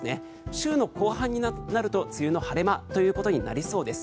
週の後半になると梅雨の晴れ間ということになりそうです。